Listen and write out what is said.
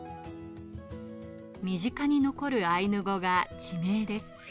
身近に残るアイヌ語が地名です。